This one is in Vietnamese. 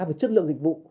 với chất lượng dịch vụ